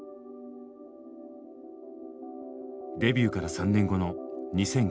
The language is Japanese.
デビューから３年後の２００９年。